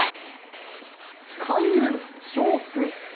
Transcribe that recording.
開運招福。